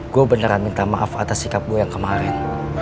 gue beneran minta maaf atas sikap gue yang kemarin